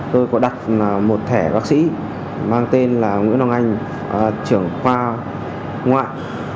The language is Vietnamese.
tôi có đặt một thẻ bác sĩ mang tên là nguyễn đông anh trưởng khoa ngoại